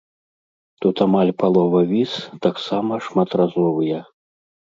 Тут амаль палова віз таксама шматразовыя.